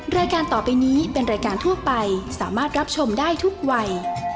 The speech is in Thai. รายการต่อไปนี้เป็นรายการทั่วไปสามารถรับชมได้ทุกวัย